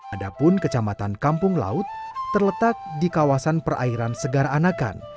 adapun kecamatan kampung laut terletak di kawasan perairan segar anakan